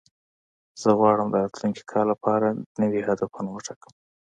زه غواړم د راتلونکي کال لپاره نوي هدفونه وټاکم.